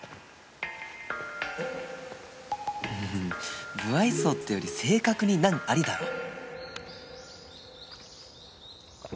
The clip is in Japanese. うん無愛想っていうより性格に難ありだろ